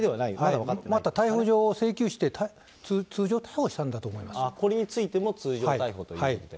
これ、まだ逮捕状を請求して、通常これについても通常逮捕ということで。